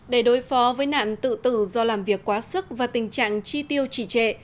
để đối phó với nạn tự tử do làm việc quá sức và tình trạng chi tiêu trì trệ